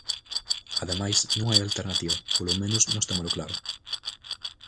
Ademais, non hai alternativa, polo menos nós témolo claro.